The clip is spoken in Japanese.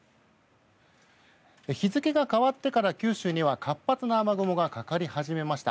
日付が変わってから九州には活発な雨雲がかかり始めました。